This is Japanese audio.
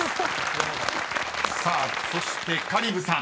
［さあそして香里武さん